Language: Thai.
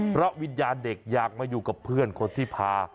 เพราะวิญญาณเด็กอยากมาอยู่กับเพื่อนคนที่พา